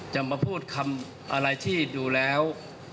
จะมาพูดคำอะไรที่อยู่แล้ว